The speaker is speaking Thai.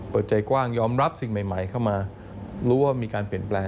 เปิดใจกว้างยอมรับสิ่งใหม่เข้ามารู้ว่ามีการเปลี่ยนแปลง